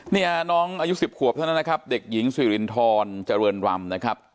เนี่ยน้องอายุ๑๐ขวบเท่านั้นนะครับเด็กหญิงสิรินทรเจริญรำนะครับ